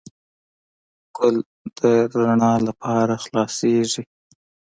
ګل د رڼا لپاره خلاصیږي.